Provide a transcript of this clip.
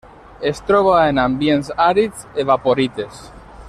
Es troba en ambients àrids evaporites.